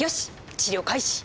治療開始。